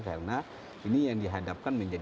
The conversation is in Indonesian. karena ini yang dihadapkan di last